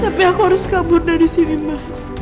tapi aku harus kabur dari sini mah